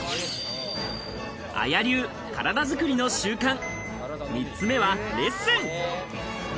ＡＹＡ流、体作りの習慣、３つ目はレッスン。